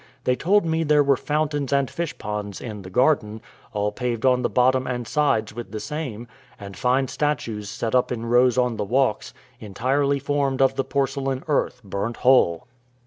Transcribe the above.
They told me there were fountains and fishponds in the garden, all paved on the bottom and sides with the same; and fine statues set up in rows on the walks, entirely formed of the porcelain earth, burnt whole.